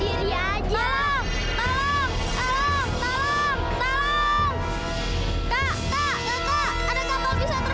jangan jangan kaki aku ayo main sama aku aku aja tak mau mau ya udah kamu sendiri aja